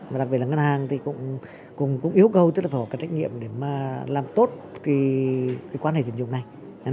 mà đặc biệt là ngân hàng thì cũng yêu cầu tất cả các trách nhiệm để mà làm tốt cái quan hệ tín dụng này